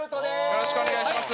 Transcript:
よろしくお願いします。